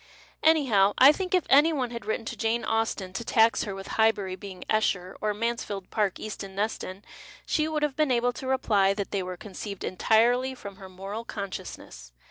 Anyhow, I think if any one had written to Jane Austen to tax her with Highbury being Eshcr or Mansfield Park Easton Ncston, she would have been able to rej)ly that they were conceived entirely from her moral consciousness.